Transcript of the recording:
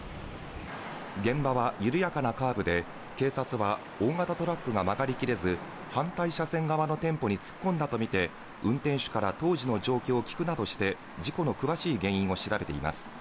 現場は緩やかなカーブで警察は大型トラックが曲がりきれず反対車線側の店舗に突っ込んだとみて運転手から当時の状況を聞くなどして事故の詳しい原因を調べています。